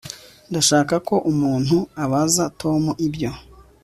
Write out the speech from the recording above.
Ndashaka ko umuntu abaza Tom ibyo